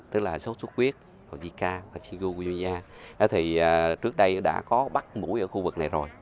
tức là sốt sốt huyết zika và chikungunya thì trước đây đã có bắt mũi ở khu vực này rồi